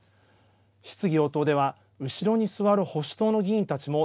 質疑応答では後ろに座る保守党の議員たちも